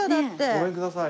ごめんください。